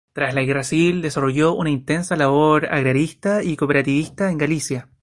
Tras la Guerra Civil desarrolló una intensa labor agrarista y cooperativista en Galicia.